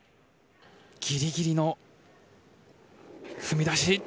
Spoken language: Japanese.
ぎりぎりの踏み出し。